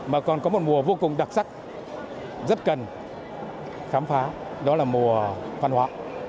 mà còn có một mùa vô cùng đặc sắc rất cần khám phá đó là mùa văn hóa